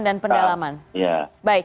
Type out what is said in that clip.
dan pendalaman ya baik